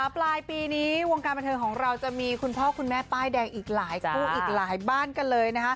ปลายปีนี้วงการบันเทิงของเราจะมีคุณพ่อคุณแม่ป้ายแดงอีกหลายคู่อีกหลายบ้านกันเลย